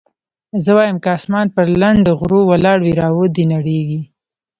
زه وايم که اسمان پر لنډه غرو ولاړ وي را دې ونړېږي.